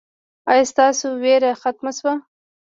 ایا ستاسو ویره ختمه شوه؟